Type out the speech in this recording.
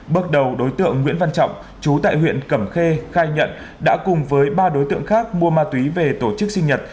bước đầu đối tượng nguyễn văn trọng chú tại huyện cẩm khê khai nhận đã cùng với ba đối tượng khác mua ma túy về tổ chức sinh nhật